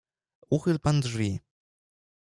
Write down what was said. "Uchyl pan drzwi."